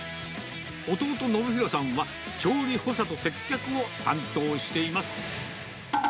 弟、信広さんは、調理補佐と接客を担当しています。